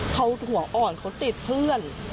เขาหัวอ่อนเขาติดเพื่อน